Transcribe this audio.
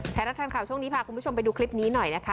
ไทยรัฐทันข่าวช่วงนี้พาคุณผู้ชมไปดูคลิปนี้หน่อยนะคะ